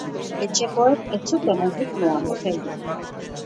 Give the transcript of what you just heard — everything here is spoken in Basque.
Etxekoek ez zuten erritmoa moteldu.